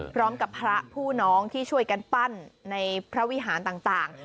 พร้อมกับพระผู้น้องที่ช่วยกันปั้นในพระวิหารต่าง